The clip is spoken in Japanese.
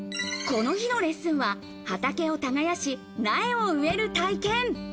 この日のレッスンは畑を耕し苗を植える体験。